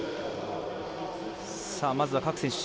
まずは各選手